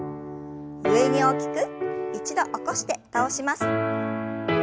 上に大きく一度起こして倒します。